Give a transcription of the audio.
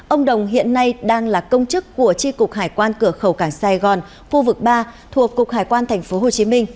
ông đồng hiện nay đang là công chức của tri cục hải quan cửa khẩu cảng sài gòn khu vực ba thuộc cục hải quan tp hcm